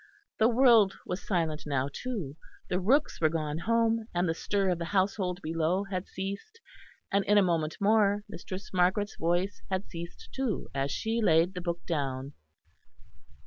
The world was silent now too; the rooks were gone home and the stir of the household below had ceased; and in a moment more Mistress Margaret's voice had ceased too, as she laid the book down.